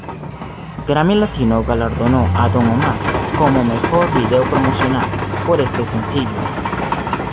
Grammy Latino galardonó a Don Omar con "Mejor Video Promocional" por este sencillo.